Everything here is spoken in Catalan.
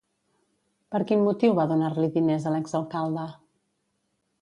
Per quin motiu va donar-li diners a l'exalcalde?